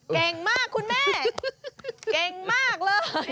เก่งมากคุณแม่เก่งมากเลย